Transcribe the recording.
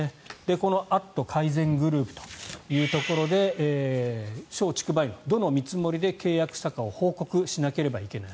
この「＠」改善グループというところで松竹梅のどの見積もりで契約したかを報告しなければいけない。